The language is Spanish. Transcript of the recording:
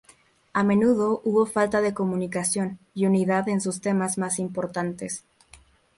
A menudo hubo falta de comunicación y unidad en sus temas más importantes.